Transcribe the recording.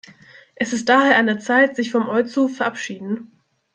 Es ist daher an der Zeit, sich vom Euzu verabschieden.